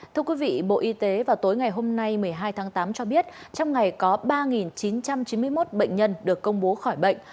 thưa quý vị bộ y tế vào tối ngày hôm nay một mươi hai tháng tám cho biết trong ngày có ba chín trăm chín mươi một bệnh nhân được công bố khỏi bệnh